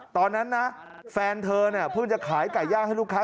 ตอนนั้นนะแฟนเธอเนี่ยเพิ่งจะขายไก่ย่างให้ลูกค้า